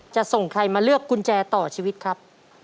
จะส่งใครมาเลือกกุญแจต่อชีวิตครับ